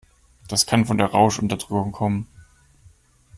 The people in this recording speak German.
Das kann von der Rauschunterdrückung kommen.